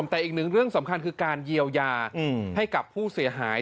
แต่อีกหนึ่งเรื่องสำคัญคือการเยียวยาให้กับผู้เสียหาย